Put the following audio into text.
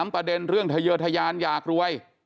ประเด็นเรื่องทะเยอร์ทะยานอยากรวย